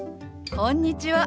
こんにちは。